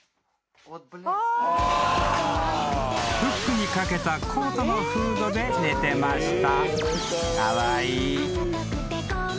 ［フックに掛けたコートのフードで寝てました］